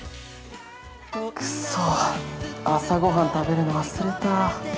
くっそ朝ごはん食べるの忘れた◆